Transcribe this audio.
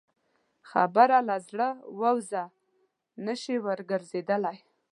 خبره له زړه ووځه، نه شې ورګرځېدلی.